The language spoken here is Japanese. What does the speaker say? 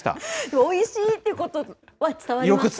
おいしいっていうことは伝わりました。